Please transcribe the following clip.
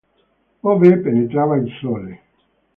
Ove penetrava il sole.